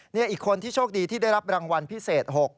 นี่อีกคนที่โชคดีที่ได้รับรางวัลพิเศษ๖